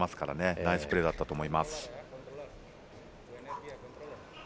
ナイスプレーだったと思います。